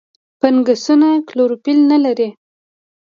فنګسونه کلوروفیل نه لري.